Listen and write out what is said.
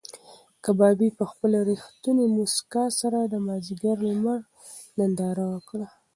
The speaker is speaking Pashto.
کبابي په خپله رښتونې موسکا سره د مازدیګر د لمر ننداره وکړه.